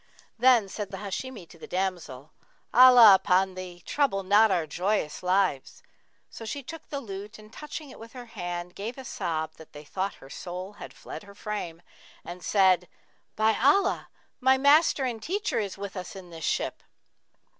Then said the Hashimi to the damsel, 'Allah upon thee, trouble not our joyous lives!' So she took the lute, and touching it with her hand, gave a sob, that they thought her soul had fled her frame, and said, 'By Allah, my master and teacher is with us in this ship!'